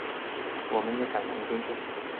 我们也感同身受